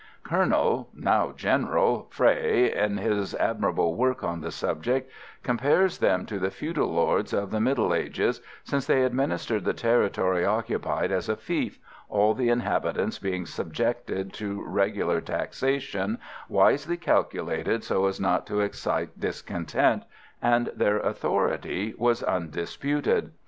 Colonel now General Frey in his admirable work on the subject, compares them to the feudal lords of the Middle Ages, since they administered the territory occupied as a fief, all the inhabitants being subjected to regular taxation, wisely calculated so as not to excite discontent, and their authority was undisputed.